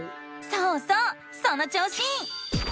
そうそうその調子！